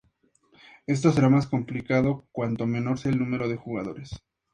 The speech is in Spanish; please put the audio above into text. Esto será más complicado cuanto menor sea el número de jugadores.